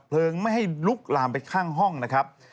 ไม่ให้ลุกลามไปข้างห้องนะครับ